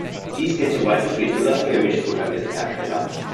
Dies gilt zum Beispiel für die Zulassung der Mischfuttermittelhersteller.